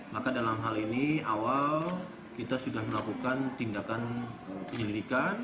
maka dalam hal ini awal kita sudah melakukan tindakan penyelidikan